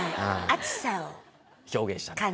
暑さを。表現した。